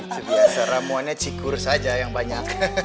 sebiasa ramuannya cikur saja yang banyak